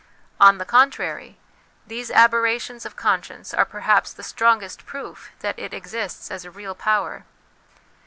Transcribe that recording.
On the contrary, these aberrations of conscience are perhaps the strongest proof that it exists as a real power.